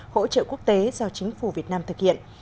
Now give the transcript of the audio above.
hỗ trợ quốc tế do chính phủ việt nam thực hiện